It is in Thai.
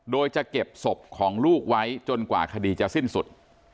โดยจะเก็บศพของลูกไว้จนกว่าคดีจะสิ้นสุด